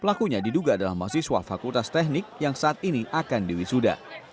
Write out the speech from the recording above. pelakunya diduga adalah mahasiswa fakultas teknik yang saat ini akan diwisuda